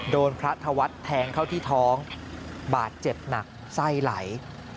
โดนพระธวัฒน์แทงเข้าที่ท้องบาดเจ็บหนักไส้ไหล